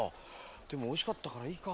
でもおいしかったからいいか。